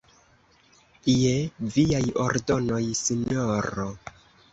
Je viaj ordonoj, sinjoro.